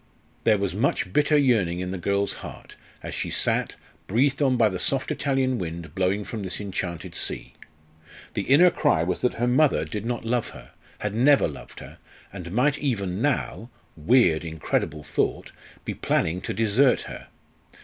There was much bitter yearning in the girl's heart as she sat, breathed on by the soft Italian wind blowing from this enchanted sea. The inner cry was that her mother did not love her, had never loved her, and might even now weird, incredible thought! be planning to desert her.